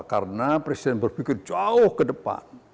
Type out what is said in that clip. karena presiden berpikir jauh ke depan